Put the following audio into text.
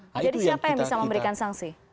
jadi siapa yang bisa memberikan sangsi